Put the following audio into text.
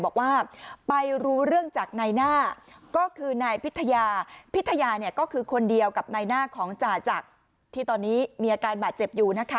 บอกว่าไปรู้เรื่องจากนายหน้าก็คือนายพิทยาพิทยาเนี่ยก็คือคนเดียวกับนายหน้าของจ่าจักรที่ตอนนี้มีอาการบาดเจ็บอยู่นะคะ